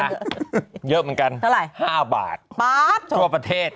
เยอะเหมือนกัน๕บาททั่วประเทศเท่าไหร่ป๊า๊ด